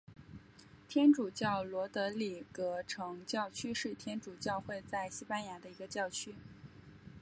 天主教罗德里戈城教区是天主教会在西班牙的一个教区。